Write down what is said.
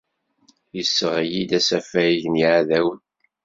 Yesseɣli-d asafag n yeεdawen.